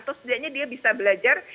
atau setidaknya dia bisa belajar